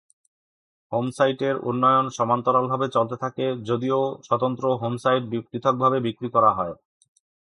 হোমসাইটের উন্নয়ন সমান্তরালভাবে চলতে থাকে, যদিও স্বতন্ত্র হোমসাইট পৃথকভাবে বিক্রি করা হয়।